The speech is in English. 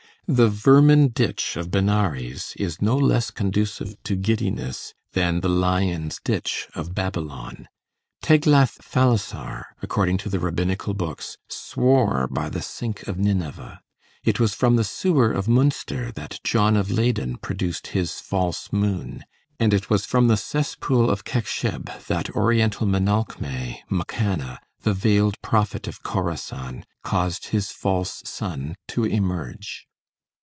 The vermin ditch of Benares is no less conducive to giddiness than the lions' ditch of Babylon. Teglath Phalasar, according to the rabbinical books, swore by the sink of Nineveh. It was from the sewer of Münster that John of Leyden produced his false moon, and it was from the cesspool of Kekscheb that oriental menalchme, Mokanna, the veiled prophet of Khorassan, caused his false sun to emerge.